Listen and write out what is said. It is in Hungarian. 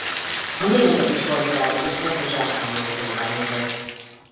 A németek is harcba állították a zsákmányolt példányokat.